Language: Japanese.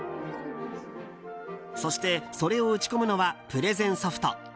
そして、それを打ち込むのはプレゼンソフト。